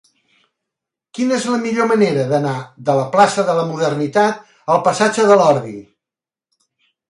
Quina és la millor manera d'anar de la plaça de la Modernitat al passatge de l'Ordi?